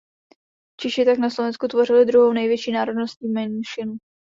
Češi tak na Slovensku tvořili druhou největší národnostní menšinu.